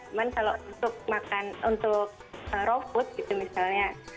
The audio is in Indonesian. cuman kalau untuk makan untuk raw food gitu misalnya